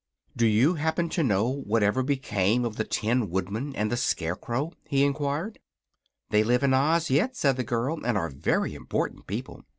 "Do you happen to know whatever became of the Tin Woodman and the Scarecrow?" he enquired. "They live in Oz yet," said the girl, "and are very important people."